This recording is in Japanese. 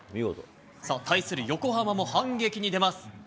対する横浜も反撃に出ます。